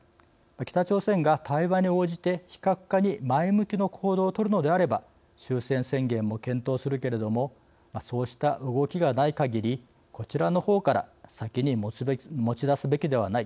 北朝鮮が対話に応じて非核化に前向きの行動をとるのであれば終戦宣言も検討するけれどもそうした動きがないかぎりこちらのほうから先にもちだすべきではない。